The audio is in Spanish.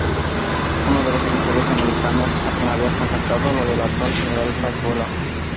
Uno de los oficiales americanos a quien había contactado lo delató al general Pezuela.